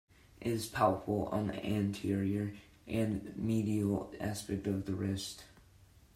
It is palpable on the anterior and medial aspect of the wrist.